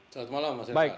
selamat malam mas